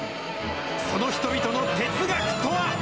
その人々の哲学とは。